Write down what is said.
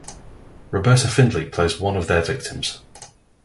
Roberta Findlay plays one of their victims.